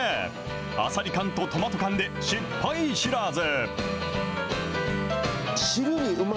アサリ缶とトマト缶で失敗知らず。